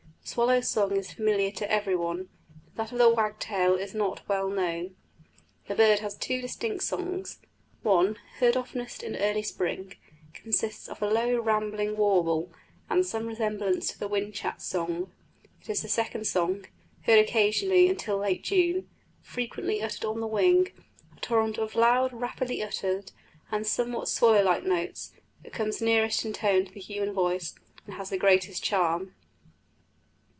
The swallow's song is familiar to every one, but that of the wagtail is not well known. The bird has two distinct songs: one, heard oftenest in early spring, consists of a low rambling warble, with some resemblance to the whinchat's song; it is the second song, heard occasionally until late June, frequently uttered on the wing a torrent of loud, rapidly uttered, and somewhat swallow like notes that comes nearest in tone to the human voice, and has the greatest charm.